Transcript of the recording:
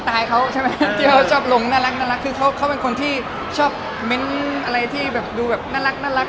แต่คลิปชันที่ลงแต่ละอย่างก็คือแบบว่าดูแบบหวานมาก